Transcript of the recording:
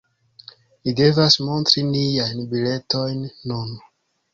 Ni devas montri niajn biletojn nun.